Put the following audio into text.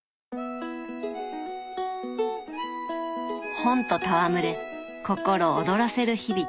本と戯れ心躍らせる日々。